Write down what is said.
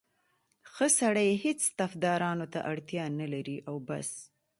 ښه سړی هېڅ طفدارانو ته اړتیا نه لري او بس.